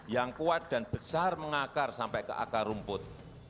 yang kuat dan besar mengakar sampai ke akar rumput